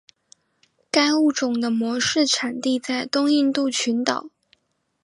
该物种的模式产地在东印度群岛。